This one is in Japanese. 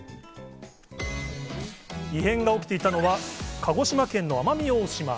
異変が起きていたのは鹿児島県の奄美大島。